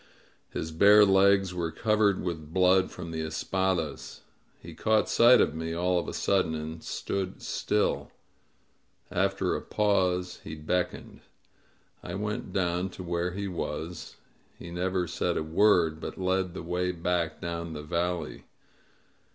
His bare legs were covered with blood from the espadas. He caught sight of me all of a sudden, and stood still; after a pause he beckoned. I went down to where he was; he never said a word, but led the way back down the valley.